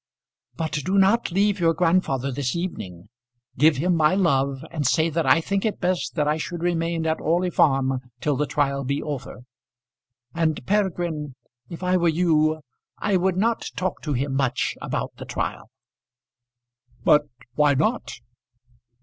"But do not leave your grandfather this evening. Give him my love, and say that I think it best that I should remain at Orley Farm till the trial be over. And, Peregrine, if I were you I would not talk to him much about the trial." "But why not?"